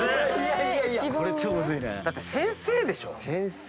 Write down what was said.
だって先生でしょ？